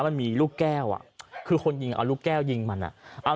มันมีลูกแก้วอ่ะคือคนยิงเอาลูกแก้วยิงมันอ่ะ